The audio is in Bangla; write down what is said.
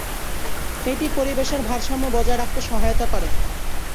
এটি পরিবেশের ভারসাম্য বজায় রাখতে সহায়তা করে।